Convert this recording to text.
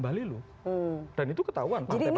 balilu dan itu ketahuan partai partai